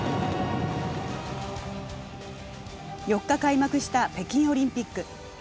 ４日開幕した北京オリンピック。